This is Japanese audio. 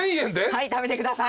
はい食べてください。